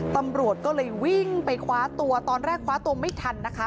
ตำรวจก็เลยวิ่งไปคว้าตัวตอนแรกคว้าตัวไม่ทันนะคะ